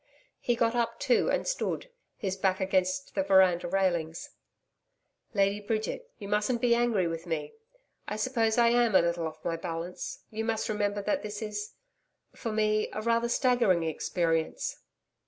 He got up too and stood, his back against the veranda railings. 'Lady Bridget, you mustn't be angry with me. I suppose I am a little off my balance, you must remember that this is for me, a rather staggering experience.'